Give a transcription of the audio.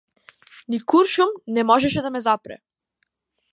Ни куршум не можеше да ме запре.